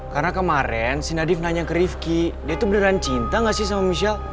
karena kemarin si nadif nanya ke rifki dia itu beneran cinta gak sih sama missel